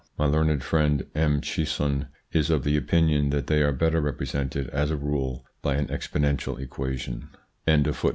My learned friend, M. Cheysson, is of opinion that they are better repre sented, as a rule, by an exponential equation.